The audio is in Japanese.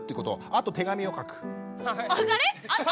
あと手紙を書く？